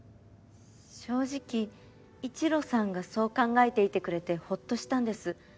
正直一路さんがそう考えていてくれてほっとしたんです。